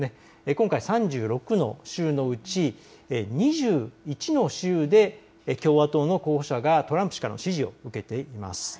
今回３６の州のうち２１の州で共和党の候補者がトランプ氏からの支持を受けています。